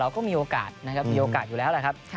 ก็มีโอกาสนะครับมีโอกาสอยู่แล้วแหละครับ